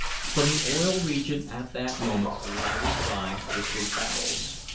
From the Oil Region at that moment the loudest cry was for barrels.